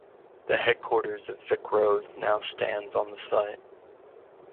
The headquarters of VicRoads now stands on the site.